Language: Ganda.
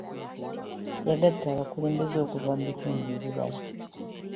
Yagatta abakulembeze okuva mu bitundu ebirala.